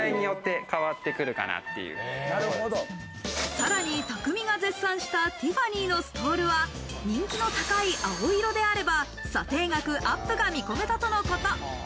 さらに、たくみが絶賛したティファニーのストールは、人気の高い青色であれば、査定額アップが見込めたとのこと。